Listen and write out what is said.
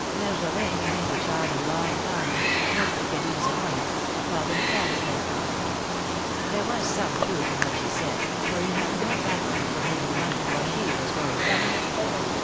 Marjolin remained a child a longtime, much to Cadine's annoyance, who called him a cabbage head ; there was some truth in what she said, for he had no faculty for making money, while she was very clever.